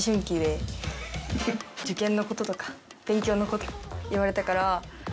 受験のこととか勉強のこと言われたから。